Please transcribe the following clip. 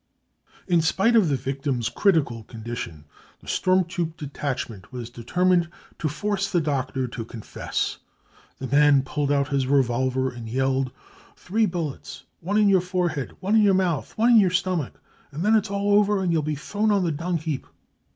55 In spite of the victim's critical condition the storm troop detachment was determined to force the doctor to " confess 55 : 44 The man pulled out his revolver and yelled : 4 Three bullets, one in your forehead, one in your mouth, one in your stomach, and then it's all over arfd you'll be thrown on the dung heap.